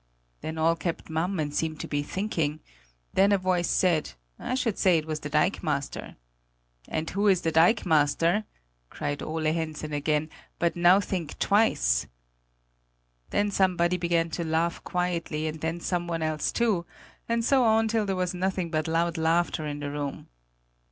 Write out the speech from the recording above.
Then all kept mum and seemed to be thinking. Then a voice said: 'I should say it was the dikemaster!' 'And who is the dikemaster?' cried Ole Hensen again; 'but now think twice!' Then somebody began to laugh quietly, and then someone else too, and so on till there was nothing but loud laughter in the room.